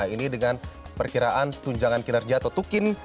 ini dengan perkiraan tunjangan kinerja atau tukin